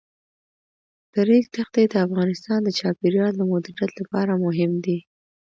د ریګ دښتې د افغانستان د چاپیریال د مدیریت لپاره مهم دي.